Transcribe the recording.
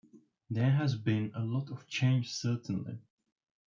There has been a lot of change certainly.